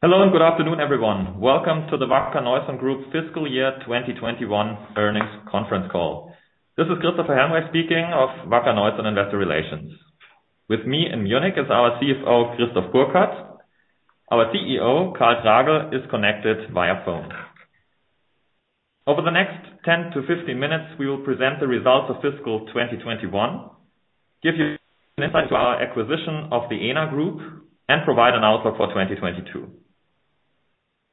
Hello and good afternoon, everyone. Welcome to the Wacker Neuson Group fiscal year 2021 earnings conference call. This is Christopher Helmreich speaking of Wacker Neuson Investor Relations. With me in Munich is our CFO, Christoph Burkhard. Our CEO, Karl Tragl, is connected via phone. Over the next 10 to 15 minutes, we will present the results of fiscal 2021, give you an insight to our acquisition of the Enar Group and provide an outlook for 2022.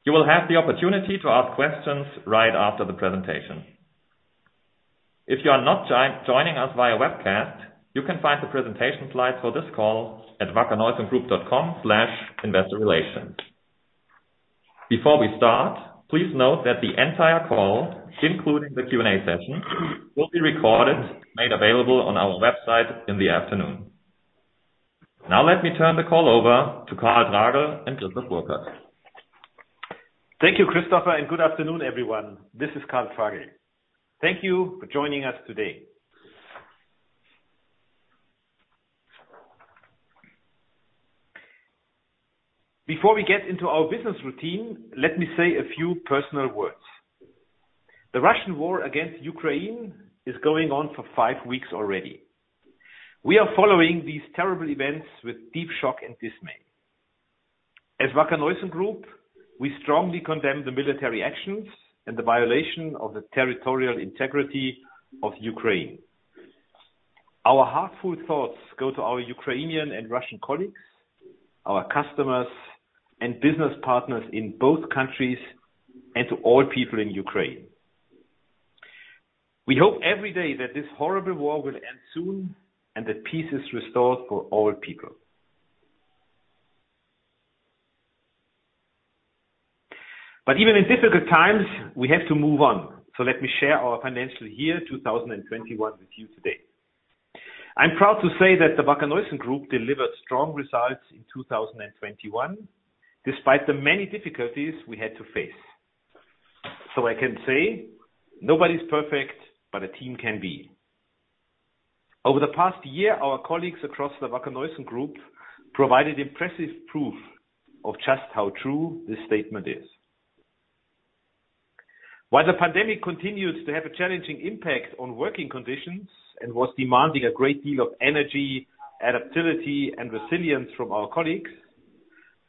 You will have the opportunity to ask questions right after the presentation. If you are not joining us via webcast, you can find the presentation slides for this call at wackerneusongroup.com/investorrelations. Before we start, please note that the entire call, including the Q&A session, will be recorded and made available on our website in the afternoon. Now, let me turn the call over to Karl Tragl and Christoph Burkhard. Thank you, Christopher, and good afternoon, everyone. This is Karl Tragl. Thank you for joining us today. Before we get into our business routine, let me say a few personal words. The Russian war against Ukraine is going on for five weeks already. We are following these terrible events with deep shock and dismay. As Wacker Neuson Group, we strongly condemn the military actions and the violation of the territorial integrity of Ukraine. Our heartfelt thoughts go to our Ukrainian and Russian colleagues, our customers and business partners in both countries, and to all people in Ukraine. We hope every day that this horrible war will end soon, and that peace is restored for all people. Even in difficult times, we have to move on, so let me share our financial year 2021 with you today. I'm proud to say that the Wacker Neuson Group delivered strong results in 2021, despite the many difficulties we had to face. I can say, nobody's perfect, but a team can be. Over the past year, our colleagues across the Wacker Neuson Group provided impressive proof of just how true this statement is. While the pandemic continues to have a challenging impact on working conditions and was demanding a great deal of energy, adaptability, and resilience from our colleagues,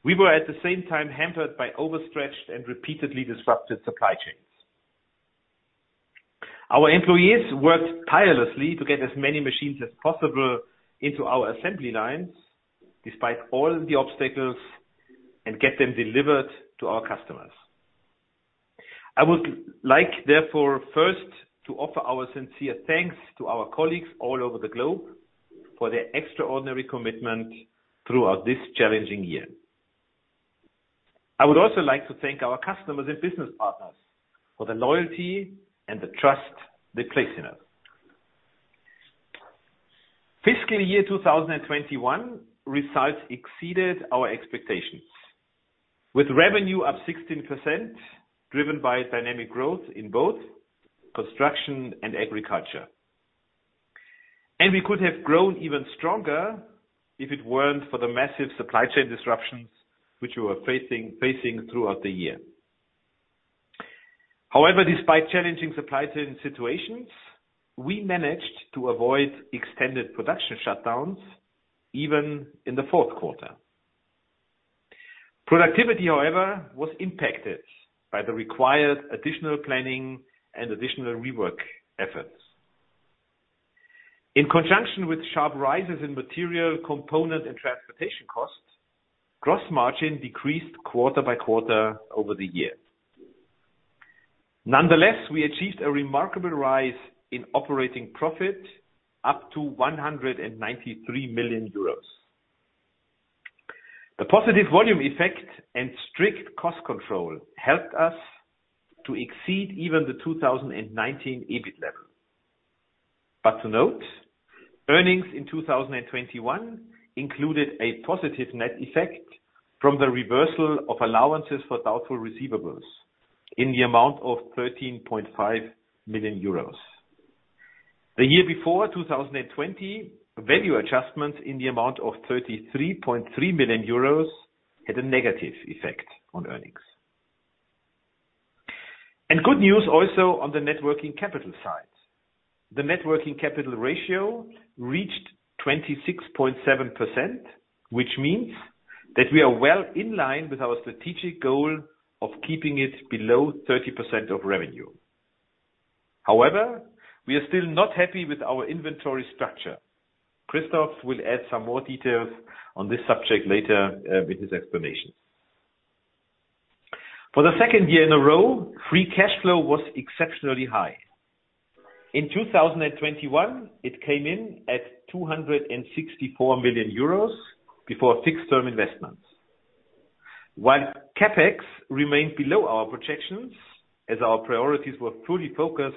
we were at the same time hampered by overstretched and repeatedly disrupted supply chains. Our employees worked tirelessly to get as many machines as possible into our assembly lines despite all the obstacles, and get them delivered to our customers. I would like, therefore, first to offer our sincere thanks to our colleagues all over the globe for their extraordinary commitment throughout this challenging year. I would also like to thank our customers and business partners for the loyalty and the trust they place in us. Fiscal year 2021 results exceeded our expectations, with revenue up 16%, driven by dynamic growth in both construction and agriculture. We could have grown even stronger if it weren't for the massive supply chain disruptions which we were facing throughout the year. However, despite challenging supply chain situations, we managed to avoid extended production shutdowns, even in the fourth quarter. Productivity, however, was impacted by the required additional planning and additional rework efforts. In conjunction with sharp rises in material component and transportation costs, gross margin decreased quarter by quarter over the year. Nonetheless, we achieved a remarkable rise in operating profit up to 193 million euros. The positive volume effect and strict cost control helped us to exceed even the 2019 EBIT level. To note, earnings in 2021 included a positive net effect from the reversal of allowances for doubtful receivables in the amount of 13.5 million euros. The year before, 2020, value adjustments in the amount of 33.3 million euros had a negative effect on earnings. Good news also on the net working capital side. The net working capital ratio reached 26.7%, which means that we are well in line with our strategic goal of keeping it below 30% of revenue. However, we are still not happy with our inventory structure. Christoph will add some more details on this subject later, with his explanation. For the second year in a row, free cash flow was exceptionally high. In 2021, it came in at 264 million euros before fixed term investments. While CapEx remained below our projections, as our priorities were fully focused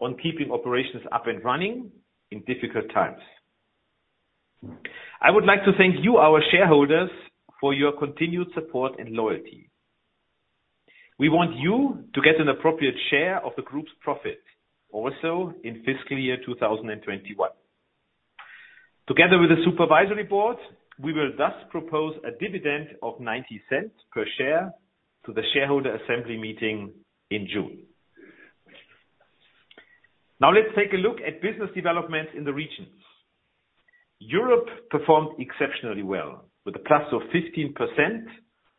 on keeping operations up and running in difficult times. I would like to thank you, our shareholders, for your continued support and loyalty. We want you to get an appropriate share of the group's profit also in fiscal year 2021. Together with the supervisory board, we will thus propose a dividend of 0.90 per share to the shareholder assembly meeting in June. Now let's take a look at business developments in the regions. Europe performed exceptionally well with +15%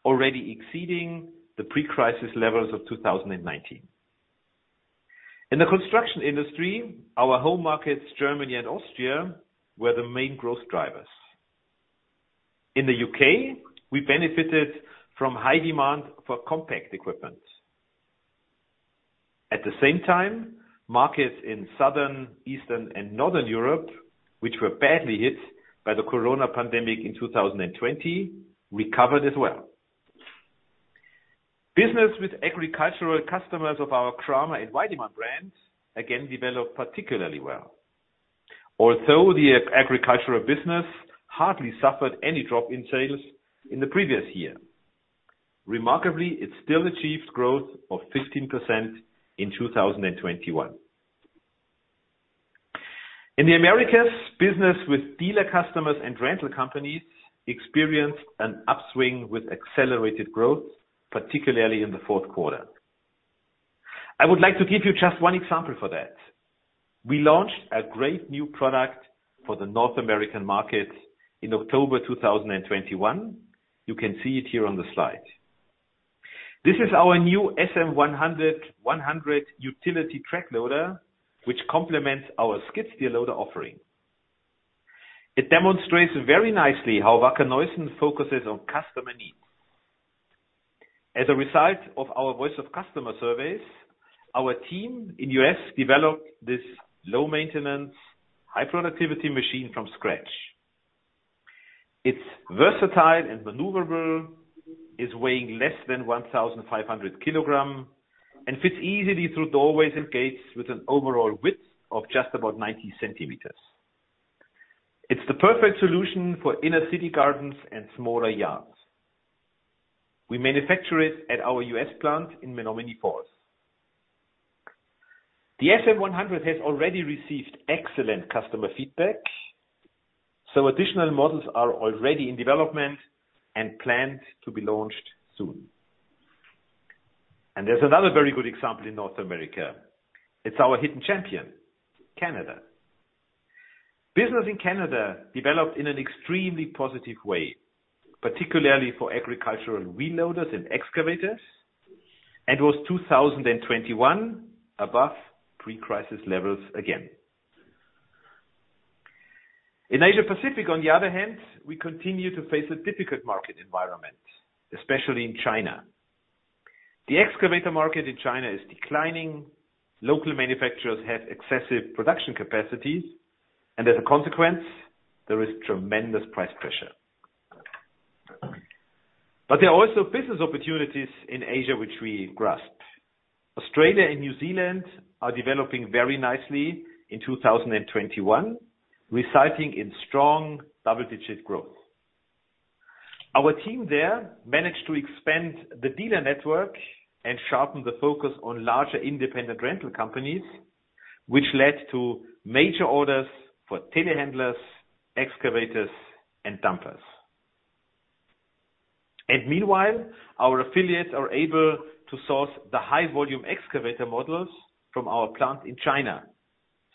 already exceeding the pre-crisis levels of 2019. In the construction industry, our home markets, Germany and Austria, were the main growth drivers. In the U.K., we benefited from high demand for compact equipment. At the same time, markets in Southern, Eastern, and Northern Europe, which were badly hit by the coronavirus pandemic in 2020, recovered as well. Business with agricultural customers of our Kramer and Weidemann brands, again, developed particularly well. Although the agricultural business hardly suffered any drop in sales in the previous year, remarkably, it still achieved growth of 15% in 2021. In the Americas, business with dealer customers and rental companies experienced an upswing with accelerated growth, particularly in the fourth quarter. I would like to give you just one example for that. We launched a great new product for the North American market in October 2021. You can see it here on the slide. This is our new SM100 utility track loader, which complements our skid steer loader offering. It demonstrates very nicely how Wacker Neuson focuses on customer needs. As a result of our voice of customer surveys, our team in U.S. developed this low maintenance, high productivity machine from scratch. It's versatile and maneuverable. It's weighing less than 1,500 kilogram, and fits easily through doorways and gates with an overall width of just about 90 centimeters. It's the perfect solution for inner city gardens and smaller yards. We manufacture it at our U.S. plant in Menomonee Falls. The SM100 has already received excellent customer feedback, so additional models are already in development and planned to be launched soon. There's another very good example in North America. It's our hidden champion, Canada. Business in Canada developed in an extremely positive way, particularly for agricultural loaders and excavators, and was 2021 above pre-crisis levels again. In Asia Pacific, on the other hand, we continue to face a difficult market environment, especially in China. The excavator market in China is declining. Local manufacturers have excessive production capacities, and as a consequence, there is tremendous price pressure. There are also business opportunities in Asia which we grasp. Australia and New Zealand are developing very nicely in 2021, resulting in strong double-digit growth. Our team there managed to expand the dealer network and sharpen the focus on larger independent rental companies, which led to major orders for telehandlers, excavators, and dumpers. Meanwhile, our affiliates are able to source the high volume excavator models from our plant in China,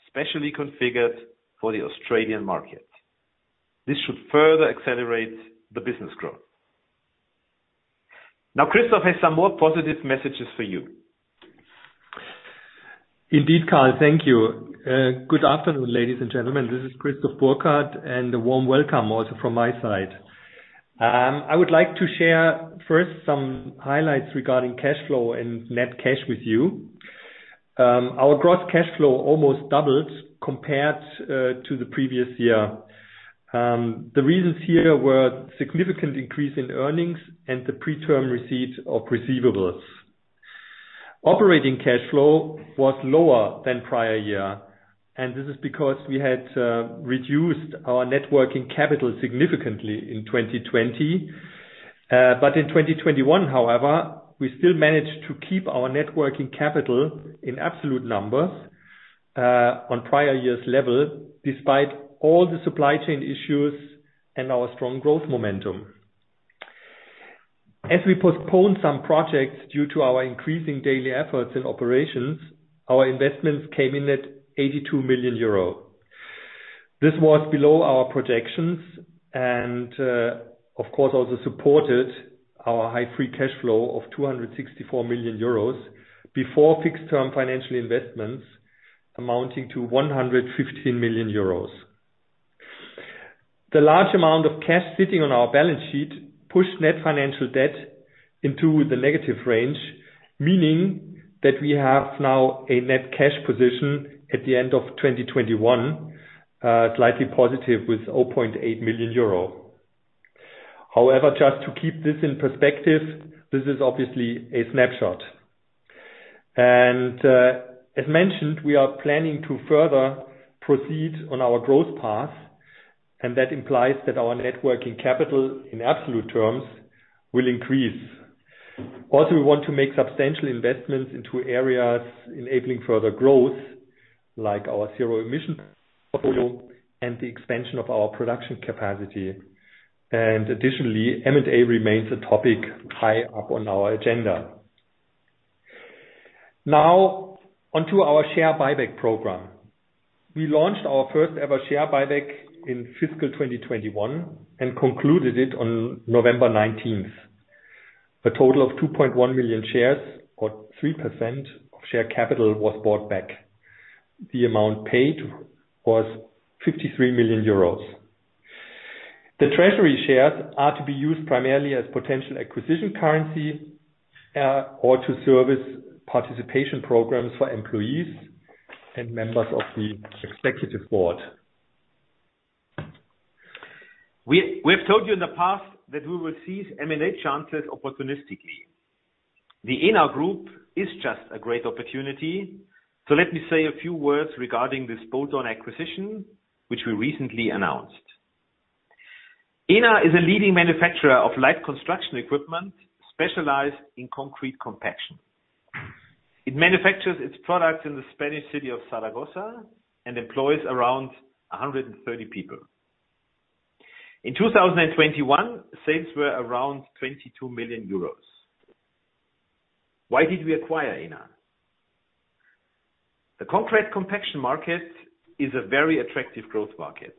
specially configured for the Australian market. This should further accelerate the business growth. Now, Christoph has some more positive messages for you. Indeed, Karl. Thank you. Good afternoon, ladies and gentlemen. This is Christoph Burkhard, and a warm welcome also from my side. I would like to share first some highlights regarding cash flow and net cash with you. Our gross cash flow almost doubled compared to the previous year. The reasons here were significant increase in earnings and the pre-term receipt of receivables. Operating cash flow was lower than prior year, and this is because we had reduced our net working capital significantly in 2020. In 2021, however, we still managed to keep our net working capital in absolute numbers on prior years level, despite all the supply chain issues and our strong growth momentum. As we postponed some projects due to our increasing daily efforts and operations, our investments came in at 82 million euro. This was below our projections and, of course, also supported our high free cash flow of 264 million euros before fixed term financial investments amounting to 115 million euros. The large amount of cash sitting on our balance sheet pushed net financial debt into the negative range, meaning that we have now a net cash position at the end of 2021, slightly positive with 0.8 million euros. However, just to keep this in perspective, this is obviously a snapshot. As mentioned, we are planning to further proceed on our growth path, and that implies that our net working capital in absolute terms will increase. Also, we want to make substantial investments into areas enabling further growth, like our zero emission portfolio and the expansion of our production capacity. Additionally, M&A remains a topic high up on our agenda. Now on to our share buyback program. We launched our first-ever share buyback in fiscal 2021 and concluded it on November 19. A total of 2.1 million shares, or 3% of share capital, was bought back. The amount paid was 53 million euros. The treasury shares are to be used primarily as potential acquisition currency, or to service participation programs for employees and members of the executive board. We have told you in the past that we will seize M&A chances opportunistically. The Enar Group is just a great opportunity, so let me say a few words regarding this bolt-on acquisition, which we recently announced. Enar is a leading manufacturer of light construction equipment specialized in concrete compaction. It manufactures its products in the Spanish city of Zaragoza and employs around 130 people. In 2021, sales were around 22 million euros. Why did we acquire Enar? The concrete compaction market is a very attractive growth market.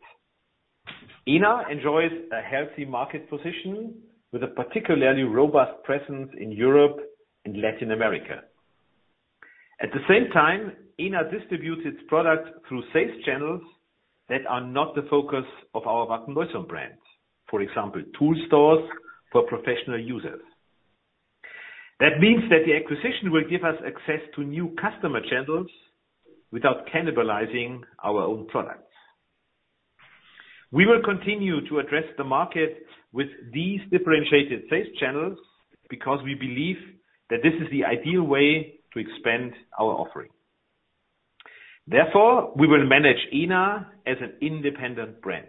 Enar enjoys a healthy market position with a particularly robust presence in Europe and Latin America. At the same time, Enar distributes its products through sales channels that are not the focus of our Wacker Neuson brands. For example, tool stores for professional users. That means that the acquisition will give us access to new customer channels without cannibalizing our own products. We will continue to address the market with these differentiated sales channels because we believe that this is the ideal way to expand our offering. Therefore, we will manage Enar as an independent brand.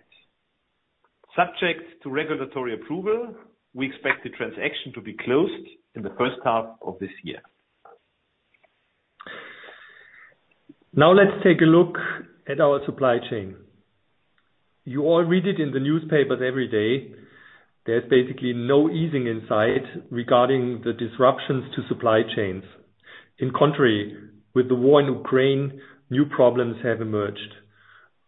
Subject to regulatory approval, we expect the transaction to be closed in the first half of this year. Now let's take a look at our supply chain. You all read it in the newspapers every day. There's basically no easing in sight regarding the disruptions to supply chains. On the contrary, with the war in Ukraine, new problems have emerged.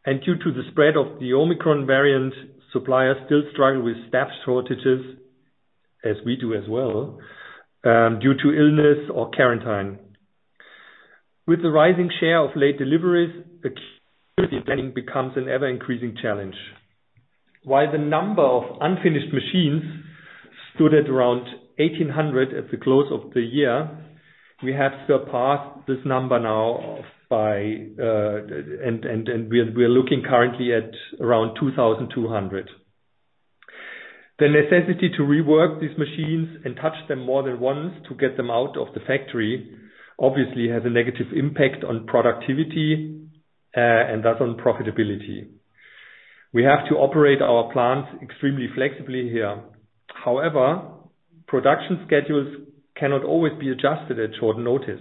Due to the spread of the Omicron variant, suppliers still struggle with staff shortages, as we do as well, due to illness or quarantine. With the rising share of late deliveries, the planning becomes an ever-increasing challenge. While the number of unfinished machines stood at around 1,800 at the close of the year, we have surpassed this number now, and we're looking currently at around 2,200. The necessity to rework these machines and touch them more than once to get them out of the factory obviously has a negative impact on productivity, and thus on profitability. We have to operate our plants extremely flexibly here. However, production schedules cannot always be adjusted at short notice.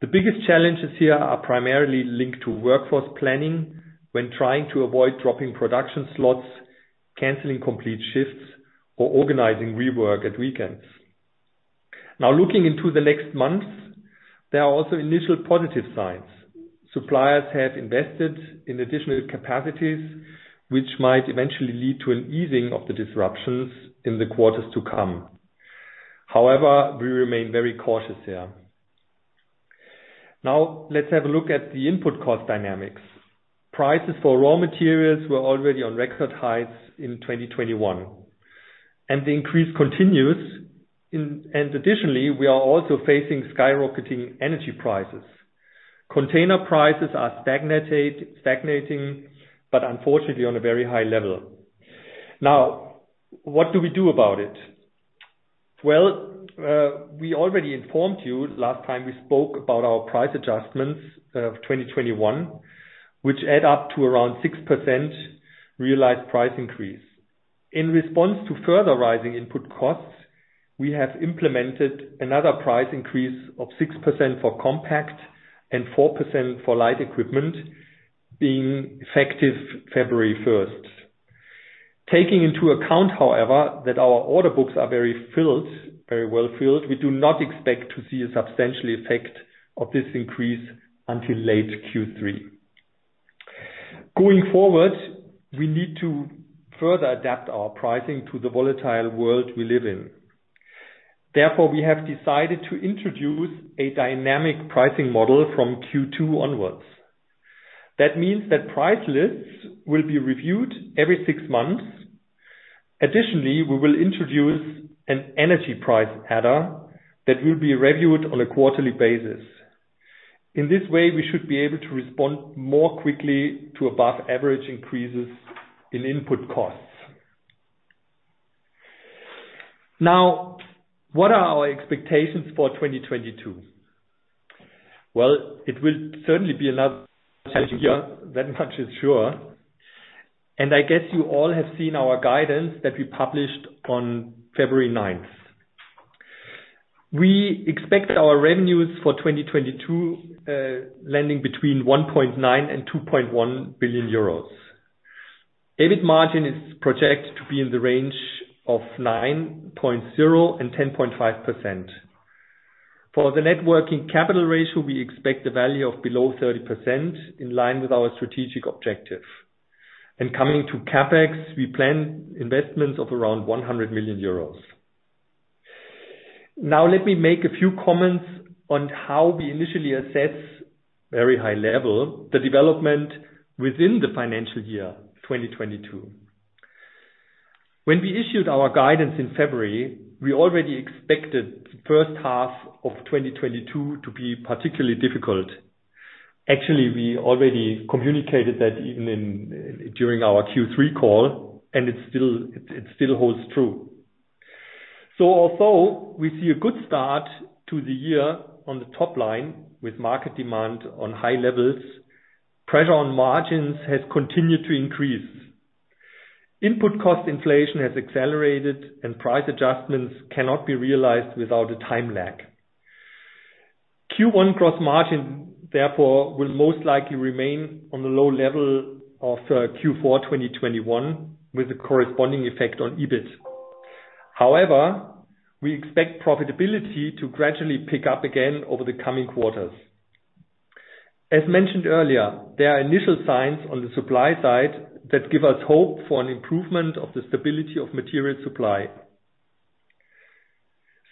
The biggest challenges here are primarily linked to workforce planning when trying to avoid dropping production slots, canceling complete shifts, or organizing rework at weekends. Now looking into the next months, there are also initial positive signs. Suppliers have invested in additional capacities, which might eventually lead to an easing of the disruptions in the quarters to come. However, we remain very cautious here. Now let's have a look at the input cost dynamics. Prices for raw materials were already on record heights in 2021, and the increase continues, and additionally, we are also facing skyrocketing energy prices. Container prices are stagnating, but unfortunately on a very high level. Now, what do we do about it? Well, we already informed you last time we spoke about our price adjustments of 2021, which add up to around 6% realized price increase. In response to further rising input costs, we have implemented another price increase of 6% for compact and 4% for light equipment, being effective February 1. Taking into account, however, that our order books are very well filled, we do not expect to see a substantial effect of this increase until late Q3. Going forward, we need to further adapt our pricing to the volatile world we live in. Therefore, we have decided to introduce a dynamic pricing model from Q2 onwards. That means that price lists will be reviewed every 6 months. Additionally, we will introduce an energy price adder that will be reviewed on a quarterly basis. In this way, we should be able to respond more quickly to above average increases in input costs. Now, what are our expectations for 2022? Well, it will certainly be another challenging year, that much is sure. I guess you all have seen our guidance that we published on February 9. We expect our revenues for 2022 landing between 1.9 billion and 2.1 billion euros. EBIT margin is projected to be in the range of 9.0%-10.5%. For the net working capital ratio, we expect the value of below 30% in line with our strategic objective. Coming to CapEx, we plan investments of around 100 million euros. Now, let me make a few comments on how we initially assess very high level, the development within the financial year, 2022. When we issued our guidance in February, we already expected the first half of 2022 to be particularly difficult. Actually, we already communicated that even during our Q3 call, and it still holds true. Although we see a good start to the year on the top line with market demand on high levels, pressure on margins has continued to increase. Input cost inflation has accelerated, and price adjustments cannot be realized without a time lag. Q1 gross margin, therefore, will most likely remain on the low level of Q4 2021 with a corresponding effect on EBIT. However, we expect profitability to gradually pick up again over the coming quarters. As mentioned earlier, there are initial signs on the supply side that give us hope for an improvement of the stability of material supply.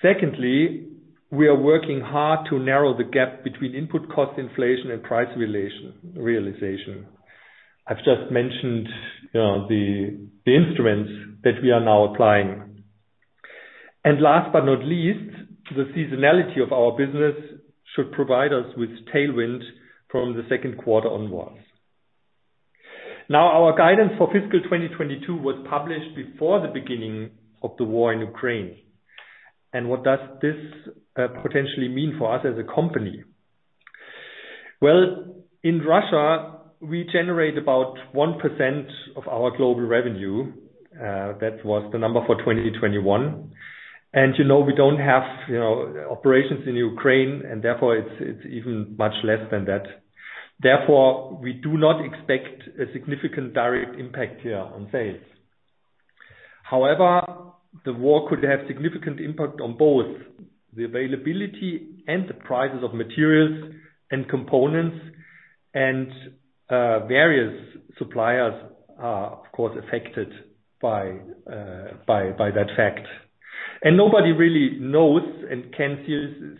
Secondly, we are working hard to narrow the gap between input cost inflation and price realization. I've just mentioned the instruments that we are now applying. Last but not least, the seasonality of our business should provide us with tailwind from the second quarter onwards. Now, our guidance for fiscal 2022 was published before the beginning of the war in Ukraine. What does this potentially mean for us as a company? Well, in Russia, we generate about 1% of our global revenue. That was the number for 2021. You know, we don't have operations in Ukraine, and therefore it's even much less than that. Therefore, we do not expect a significant direct impact here on sales. However, the war could have significant impact on both the availability and the prices of materials and components, and various suppliers are, of course, affected by that fact. Nobody really knows and can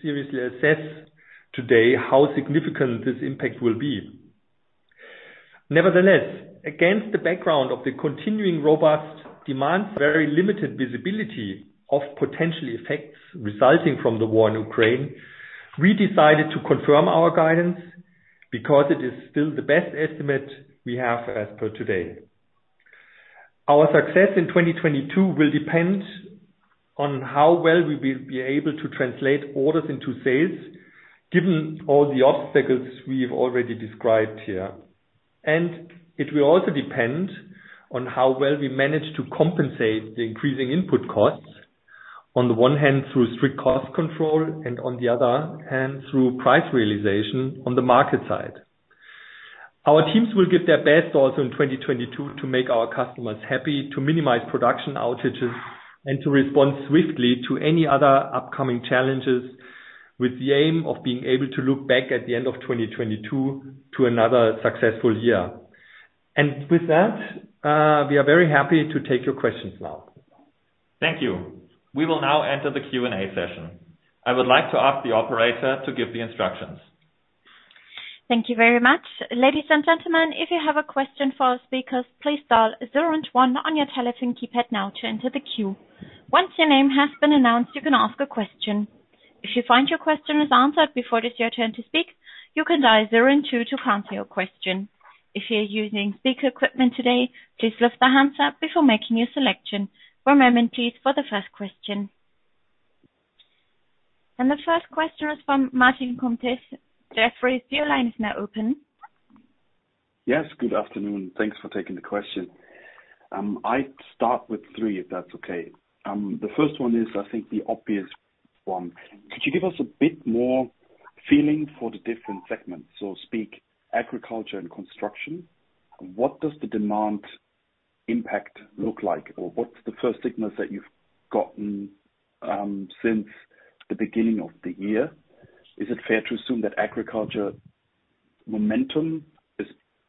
seriously assess today how significant this impact will be. Nevertheless, against the background of the continuing robust demand, very limited visibility of potential effects resulting from the war in Ukraine, we decided to confirm our guidance because it is still the best estimate we have as per today. Our success in 2022 will depend on how well we will be able to translate orders into sales, given all the obstacles we've already described here. It will also depend on how well we manage to compensate the increasing input costs, on the one hand, through strict cost control, and on the other hand, through price realization on the market side. Our teams will give their best also in 2022 to make our customers happy, to minimize production outages, and to respond swiftly to any other upcoming challenges with the aim of being able to look back at the end of 2022 to another successful year. With that, we are very happy to take your questions now. Thank you. We will now enter the Q&A session. I would like to ask the operator to give the instructions. Thank you very much. Ladies and gentlemen, if you have a question for our speakers, please dial zero and one on your telephone keypad now to enter the queue. Once your name has been announced, you can ask a question. If you find your question is answered before it is your turn to speak, you can dial zero and two to cancel your question. If you're using speaker equipment today, please lift the handset up before making your selection. One moment, please, for the first question. The first question is from Martin Comtesse. Jefferies, your line is now open. Yes, good afternoon. Thanks for taking the question. I'd start with three, if that's okay. The first one is, I think the obvious one. Could you give us a bit more feeling for the different segments? So speak agriculture and construction, what does the demand impact look like? Or what's the first signals that you've gotten, since the beginning of the year? Is it fair to assume that agriculture momentum is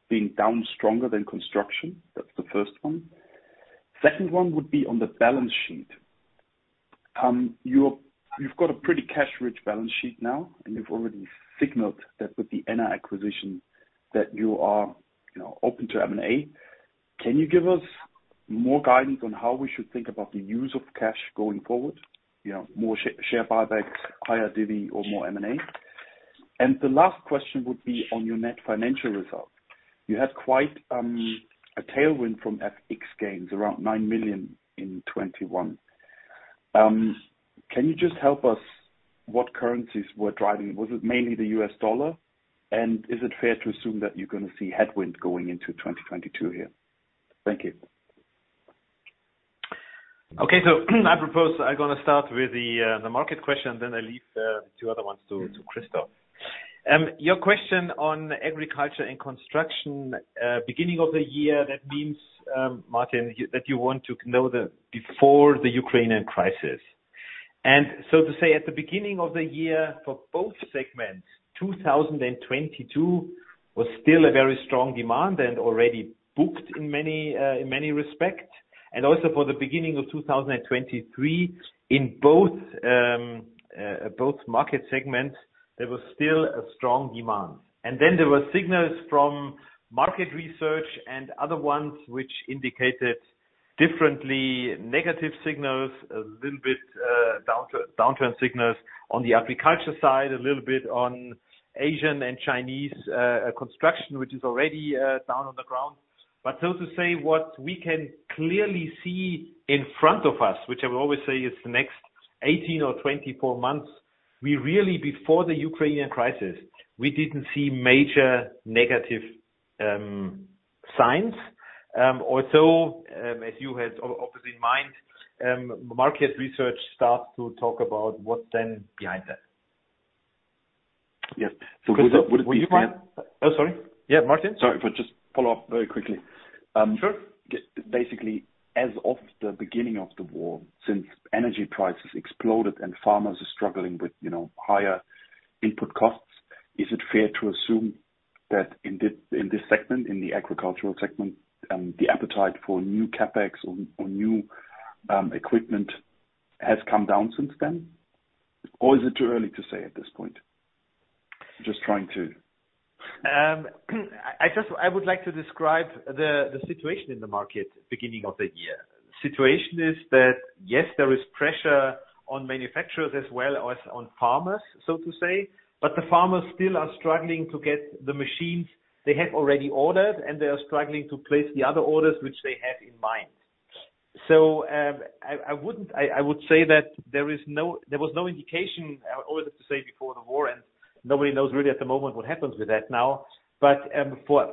being down stronger than construction? That's the first one. Second one would be on the balance sheet. You've got a pretty cash-rich balance sheet now, and you've already signaled that with the ENAR acquisition that you are, you know, open to M&A. Can you give us more guidance on how we should think about the use of cash going forward? You know, more share buybacks, higher divvy or more M&A. The last question would be on your net financial results. You had quite a tailwind from FX gains, around 9 million in 2021. Can you just help us what currencies were driving? Was it mainly the US dollar? Is it fair to assume that you're gonna see headwind going into 2022 here? Thank you. Okay. I propose I'm gonna start with the market question, then I leave two other ones to Christoph. Your question on agriculture and construction beginning of the year, that means Martin, that you want to know the before the Ukrainian crisis. To say at the beginning of the year, for both segments, 2022 was still a very strong demand and already booked in many respects. Also for the beginning of 2023, in both market segments, there was still a strong demand. Then there were signals from market research and other ones which indicated differently negative signals, a little bit downturn signals on the agriculture side, a little bit on Asian and Chinese construction, which is already down on the ground. To say what we can clearly see in front of us, which I will always say is the next 18 or 24 months, we really, before the Ukrainian crisis, we didn't see major negative signs. Also, as you had obviously in mind, market research starts to talk about what's then behind that. Yes. Would it be- Oh, sorry. Yeah, Martin. Sorry, but just follow up very quickly. Sure. Basically, as of the beginning of the war, since energy prices exploded and farmers are struggling with, you know, higher input costs, is it fair to assume that in this segment, in the agricultural segment, the appetite for new CapEx or new equipment has come down since then? Or is it too early to say at this point? Just trying to.. I would like to describe the situation in the market beginning of the year. Situation is that, yes, there is pressure on manufacturers as well as on farmers, so to say, but the farmers still are struggling to get the machines they have already ordered, and they are struggling to place the other orders which they have in mind. I would say that there was no indication, or let's just say before the war, and nobody knows really at the moment what happens with that now. For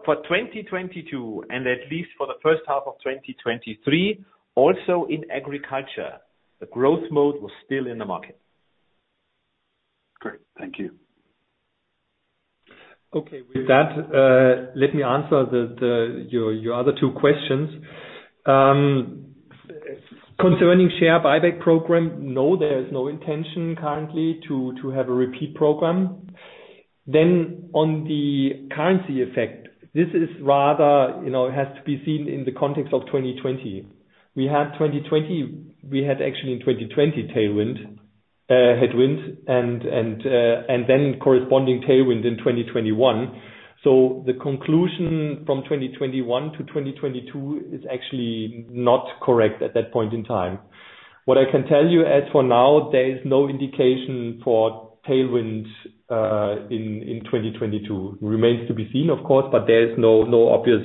2022, and at least for the first half of 2023, also in agriculture, the growth mode was still in the market. Great. Thank you. Okay. With that, let me answer your other two questions. Concerning share buyback program, no, there is no intention currently to have a repeat program. On the currency effect, this is rather, you know, it has to be seen in the context of 2020. We had 2020, we had actually in 2020 tailwind, headwind and then corresponding tailwind in 2021. The conclusion from 2021 to 2022 is actually not correct at that point in time. What I can tell you as for now, there is no indication for tailwind in 2022. Remains to be seen, of course, but there is no obvious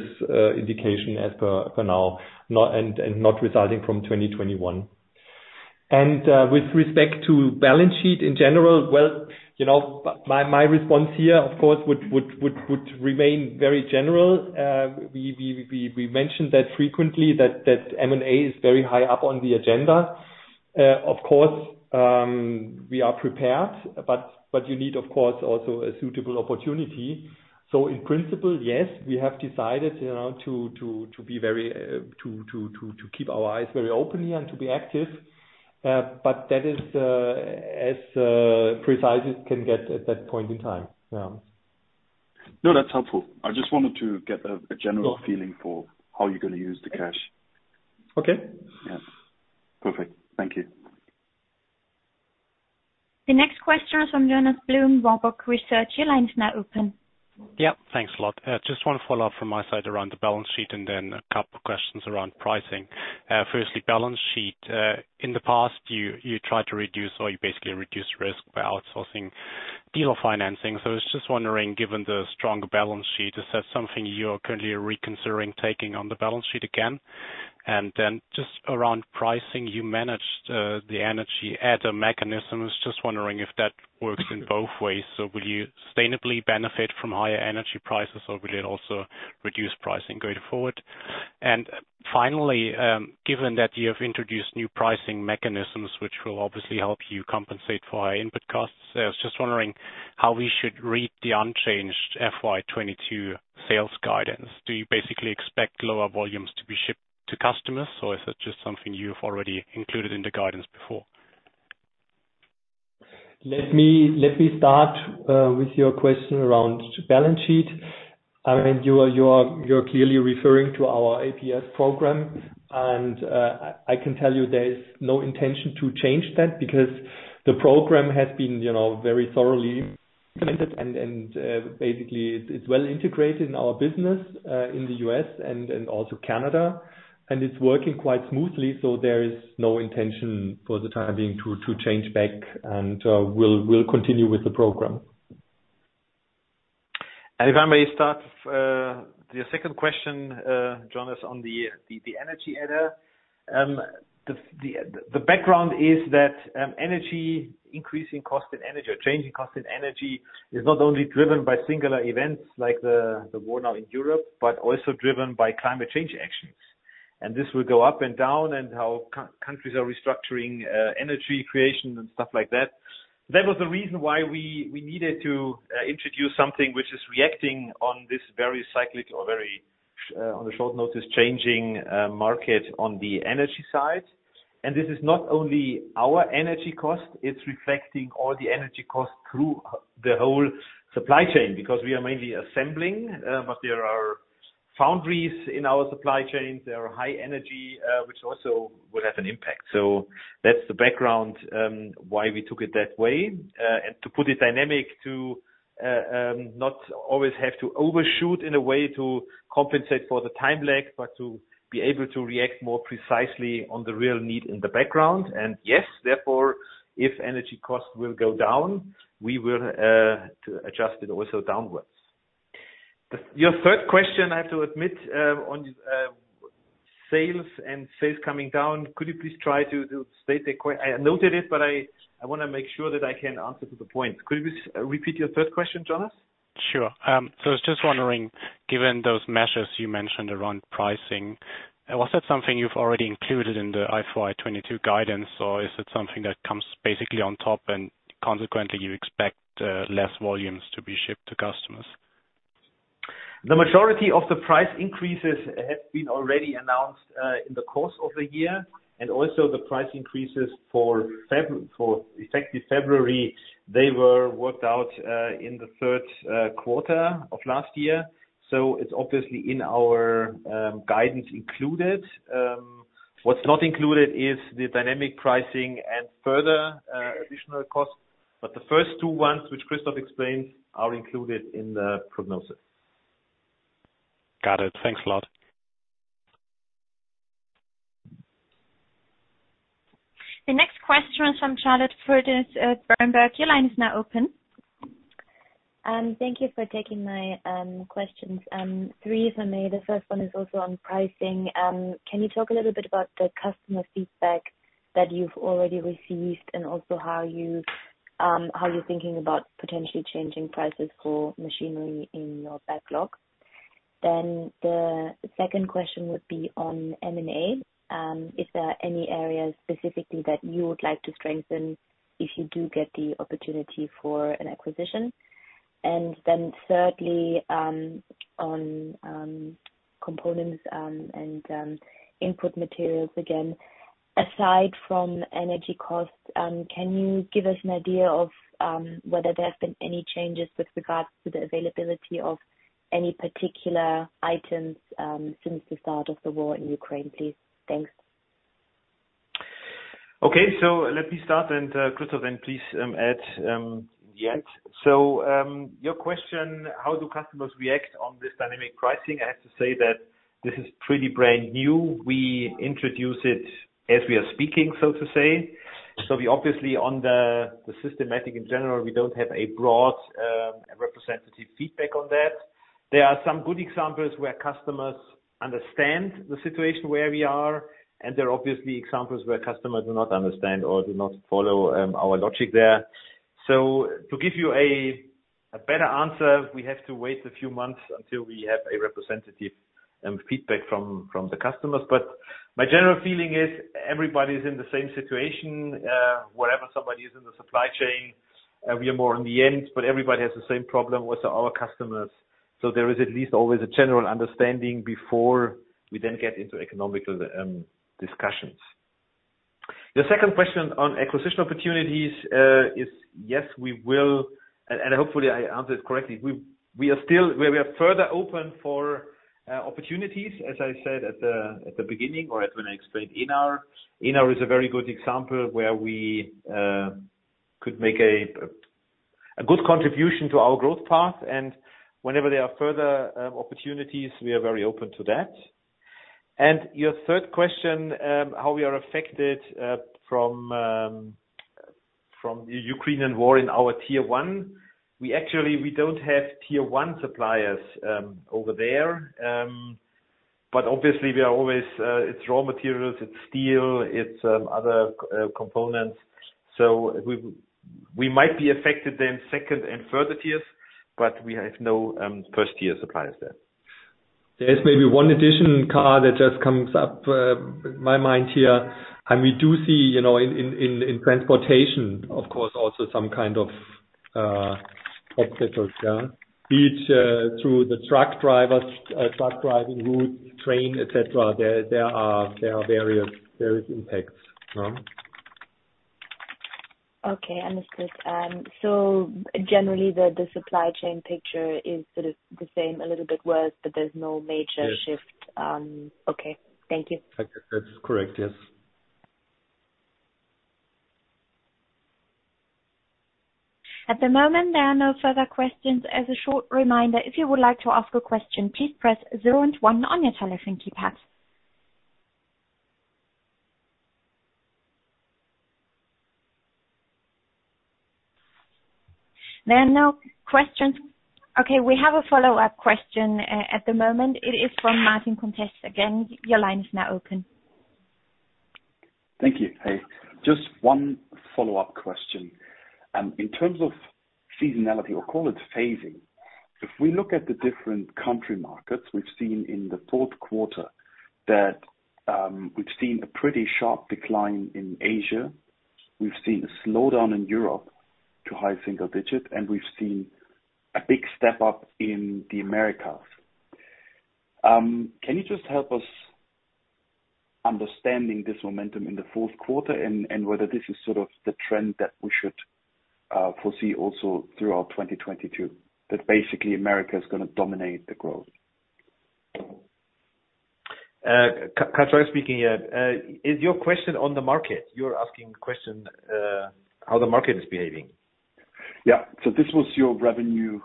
indication as per for now, and not resulting from 2021. With respect to balance sheet in general, well, you know, my response here, of course, would remain very general. We mentioned frequently that M&A is very high up on the agenda. Of course, we are prepared, but you need, of course, also a suitable opportunity. In principle, yes, we have decided, you know, to keep our eyes very open and to be active. That is as precise as it can get at that point in time. Yeah. No, that's helpful. I just wanted to get a general feeling for how you're gonna use the cash. Okay. Yeah. Perfect. Thank you. The next question is from Jonas Blum, Warburg Research. Your line is now open. Yeah. Thanks a lot. Just one follow-up from my side around the balance sheet and then a couple questions around pricing. Firstly, balance sheet. In the past, you tried to reduce or you basically reduced risk by outsourcing deal financing. I was just wondering, given the stronger balance sheet, is that something you're currently reconsidering taking on the balance sheet again? Just around pricing, you managed the energy adder mechanism. I was just wondering if that works in both ways. Will you sustainably benefit from higher energy prices, or will it also reduce pricing going forward? Finally, given that you have introduced new pricing mechanisms, which will obviously help you compensate for high input costs, I was just wondering how we should read the unchanged FY 2022 sales guidance. Do you basically expect lower volumes to be shipped to customers, or is it just something you've already included in the guidance before? Let me start with your question around balance sheet. I mean, you're clearly referring to our APS program. I can tell you there is no intention to change that because the program has been, you know, very thoroughly implemented and basically it's well integrated in our business in the U.S. and also Canada, and it's working quite smoothly, so there is no intention for the time being to change back, and we'll continue with the program. If I may start the second question, Jonas, on the energy adder. The background is that energy increasing cost in energy or changing cost in energy is not only driven by singular events like the war now in Europe, but also driven by climate change actions. This will go up and down and how countries are restructuring energy creation and stuff like that. That was the reason why we needed to introduce something which is reacting on this very cyclic or very on a short notice, changing market on the energy side. This is not only our energy cost, it's reflecting all the energy costs through the whole supply chain because we are mainly assembling, but there are foundries in our supply chain. There are high energy, which also will have an impact. That's the background, why we took it that way. To put it dynamically too, not always have to overshoot in a way to compensate for the time lag, but to be able to react more precisely on the real need in the background. Yes, therefore, if energy costs will go down, we will have to adjust it also downwards. Your third question, I have to admit, on sales coming down. I noted it, but I wanna make sure that I can answer to the point. Could you please repeat your third question, Jonas? Sure. I was just wondering, given those measures you mentioned around pricing, was that something you've already included in the FY 2022 guidance, or is it something that comes basically on top and consequently you expect less volumes to be shipped to customers? The majority of the price increases have been already announced in the course of the year, and also the price increases for effective February. They were worked out in the third quarter of last year. It's obviously in our guidance included. What's not included is the dynamic pricing and further additional costs. The first two ones, which Christoph explains, are included in the prognosis. Got it. Thanks a lot. The next question is from Charlotte Friedrichs at Berenberg. Your line is now open. Thank you for taking my questions. Three if I may. The first one is also on pricing. Can you talk a little bit about the customer feedback that you've already received and also how you're thinking about potentially changing prices for machinery in your backlog? The second question would be on M&A. If there are any areas specifically that you would like to strengthen if you do get the opportunity for an acquisition. Thirdly, on components and input materials again, aside from energy costs, can you give us an idea of whether there have been any changes with regards to the availability of any particular items since the start of the war in Ukraine, please? Thanks. Okay. Let me start and, Christoph then please, add in the end. Your question, how do customers react to this dynamic pricing? I have to say that this is pretty brand new. We introduce it as we are speaking, so to speak. We obviously on the systematic in general, we don't have a broad representative feedback on that. There are some good examples where customers understand the situation where we are, and there are obviously examples where customers do not understand or do not follow our logic there. To give you a better answer, we have to wait a few months until we have a representative feedback from the customers. My general feeling is everybody is in the same situation, wherever somebody is in the supply chain. We are more on the end, but everybody has the same problem with our customers. There is at least always a general understanding before we then get into economic discussions. The second question on acquisition opportunities is yes, we will. Hopefully I answered correctly. We are further open for opportunities, as I said at the beginning or as when I explained Enar. Enar is a very good example where we could make a good contribution to our growth path. Whenever there are further opportunities, we are very open to that. Your third question, how we are affected from the Ukrainian war in our tier one. We actually don't have tier one suppliers over there. Obviously we are always, it's raw materials, it's steel, it's other components. We might be affected then second and further tiers, but we have no first tier suppliers there. There's maybe one additional factor that just comes to mind here, and we do see, you know, in transportation, of course, also some kind of obstacles, yeah. Be it through the truck drivers, truck driving route, train, et cetera. There are various impacts. No? Okay, understood. Generally the supply chain picture is sort of the same, a little bit worse, but there's no major. Yes. Okay. Thank you. That, that's correct. Yes. At the moment, there are no further questions. As a short reminder, if you would like to ask a question, please press zero and one on your telephone keypad. There are no questions. Okay. We have a follow-up question at the moment. It is from Martin Comtesse again. Your line is now open. Thank you. Hey, just one follow-up question. In terms of seasonality or call it phasing, if we look at the different country markets, we've seen in the fourth quarter that we've seen a pretty sharp decline in Asia. We've seen a slowdown in Europe to high single digit, and we've seen a big step up in the Americas. Can you just help us understand this momentum in the fourth quarter and whether this is sort of the trend that we should foresee also throughout 2022, that basically America is gonna dominate the growth? Karl Tragl speaking here. Is your question on the market? You're asking question how the market is behaving. Yeah. This was your revenue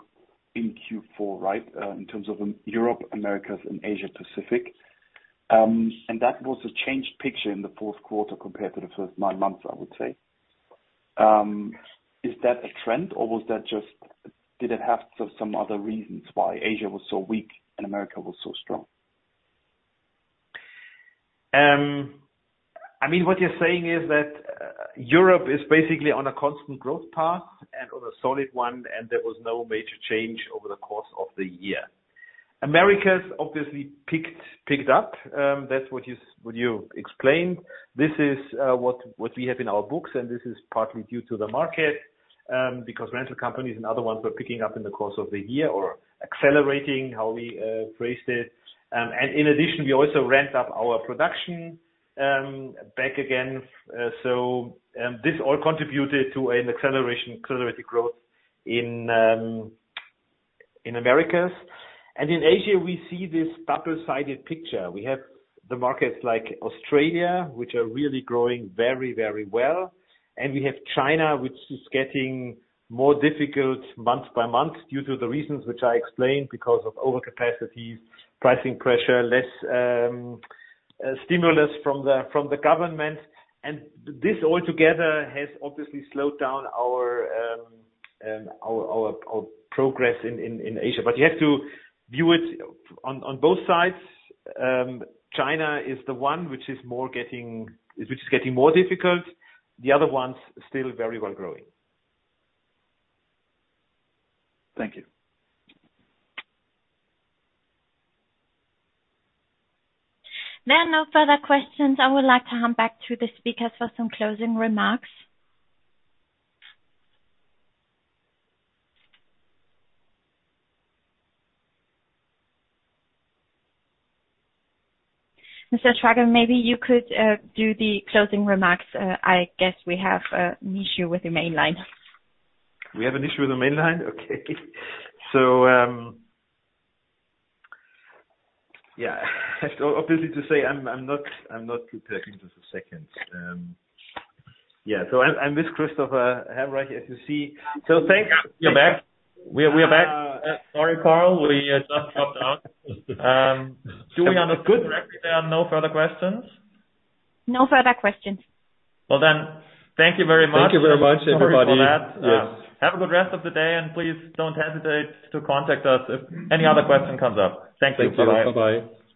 in Q4, right? In terms of Europe, Americas, and Asia Pacific. That was a changed picture in the fourth quarter compared to the first nine months, I would say. Is that a trend, or was that just did it have some other reasons why Asia was so weak and America was so strong? I mean, what you're saying is that Europe is basically on a constant growth path and on a solid one, and there was no major change over the course of the year. Americas obviously picked up. That's what you explained. This is what we have in our books, and this is partly due to the market, because rental companies and other ones were picking up in the course of the year or accelerating how we phrased it. In addition, we also ramped up our production back again. This all contributed to an acceleration, cumulative growth in Americas. In Asia, we see this double-sided picture. We have the markets like Australia, which are really growing very, very well. We have China, which is getting more difficult month by month due to the reasons which I explained because of overcapacity, pricing pressure, less stimulus from the government. This all together has obviously slowed down our progress in Asia. You have to view it on both sides. China is the one which is getting more difficult. The other ones still very well growing. Thank you. There are no further questions. I would like to hand back to the speakers for some closing remarks. Mr. Tragl, maybe you could do the closing remarks. I guess we have an issue with your main line. We have an issue with the main line? Okay. Yeah. Obviously to say I'm not prepared into the second. I'm with Christopher Helmreich, as you see. Thanks- You're back. We're back. Sorry, Karl, we just dropped out. Julie, for the record, there are no further questions? No further questions. Well, then. Thank you very much. Thank you very much, everybody. Have a good rest of the day, and please don't hesitate to contact us if any other question comes up. Thanks. Bye. Thank you. Bye-bye.